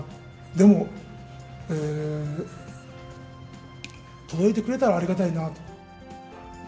でも届いてくれたらありがたいな。